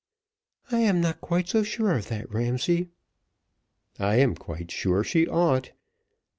"I am not quite so sure of that, Ramsay." "I am quite sure she ought.